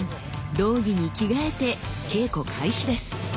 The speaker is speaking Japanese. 胴着に着替えて稽古開始です。